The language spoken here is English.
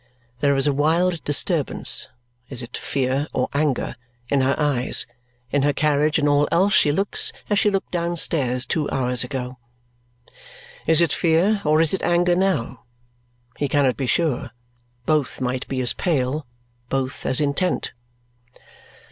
There is a wild disturbance is it fear or anger? in her eyes. In her carriage and all else she looks as she looked downstairs two hours ago. Is it fear or is it anger now? He cannot be sure. Both might be as pale, both as intent.